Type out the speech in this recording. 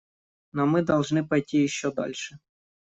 Но мы должны пойти еще дальше.